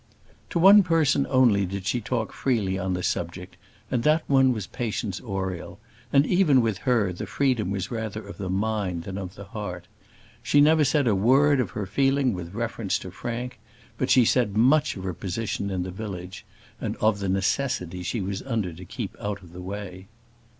To one person only did she talk freely on the subject, and that one was Patience Oriel; and even with her the freedom was rather of the mind than of the heart. She never said a word of her feeling with reference to Frank, but she said much of her position in the village, and of the necessity she was under to keep out of the way.